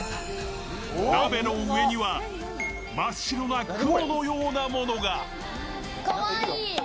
鍋の上には真っ白な雲のようなものが。